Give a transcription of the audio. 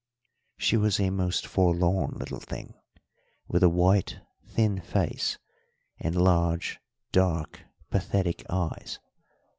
She was a most forlorn little thing, with a white, thin face and large, dark, pathetic eyes.